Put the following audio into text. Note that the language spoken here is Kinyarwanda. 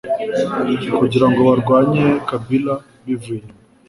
kugira ngo barwanye Kabila bivuye inyuma